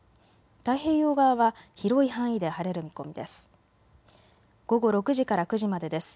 太平洋側は広い範囲で晴れる見込みです。